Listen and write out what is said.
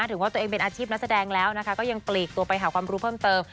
ถึงว่าตัวเองเป็นอาชีพนักแสดงแล้วนะคะก็ยังปลีกตัวไปหาความรู้เพิ่มเติม